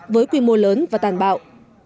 với quy mô lớn và tàn bạo